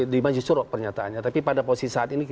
di majusuro pernyataannya tapi pada posisi saat ini